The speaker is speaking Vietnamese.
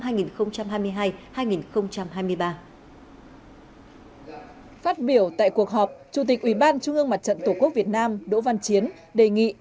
phát biểu tại cuộc họp chủ tịch ủy ban trung ương mặt trận tổ quốc việt nam đỗ văn chiến đề nghị